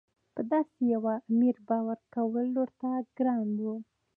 په داسې یوه امیر باور کول ورته ګران وو.